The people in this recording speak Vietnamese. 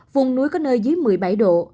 vùng núi có nơi dưới một mươi bảy độ